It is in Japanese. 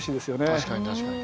確かに確かに。